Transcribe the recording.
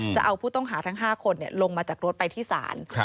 จะเอาผู้ต้องหาทั้ง๕คนลงมาจากรถไปที่ศาล